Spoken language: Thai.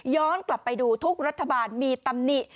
กลับไปดูทุกรัฐบาลมีตำหนิ